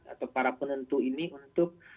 atau para penentu ini untuk